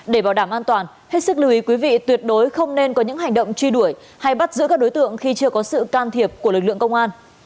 để bảo đảm an toàn hết sức lưu ý quý vị tuyệt đối không nên có những hành động truy đuổi hay bắt giữ các đối tượng khi chưa có sự can thiệp của lực lượng công an